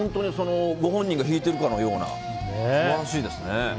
ご本人が弾いているかのようで素晴らしいですね。